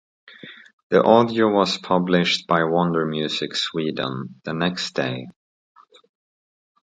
The audio was published by Warner Music Sweden the next day.